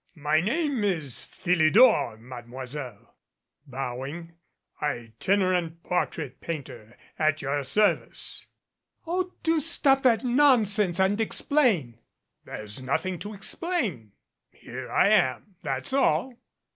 "My name is Philidor, Mademoiselle," bowing ; "itinerant portrait painter at your service." "Oh, do stop that nonsense and explain " "There's nothing to explain. Here I am. That's all."